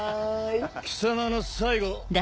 貴様の最後